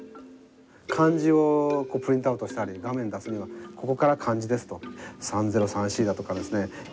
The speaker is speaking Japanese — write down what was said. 漢字をプリントアウトしたり画面出すにはここから漢字ですと３０３Ｃだとかですね